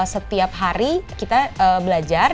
setiap hari kita belajar